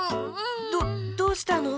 どどうしたの？